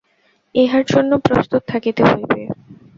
ইহার জন্য প্রস্তুত থাকিতে হইবে।